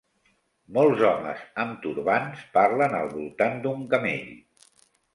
Molts homes amb turbants parlen al voltant d'un camell.